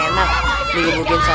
jika basuh buji star